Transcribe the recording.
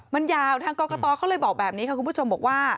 มันยาวทางกรกตเขาเลยบอกแบบนี้ค่ะคุณผู้ชมบอกว่า